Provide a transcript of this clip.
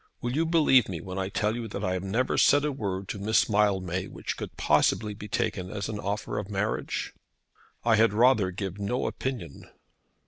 Will you believe me when I tell you that I have never said a word to Miss Mildmay which could possibly be taken as an offer of marriage?" "I had rather give no opinion."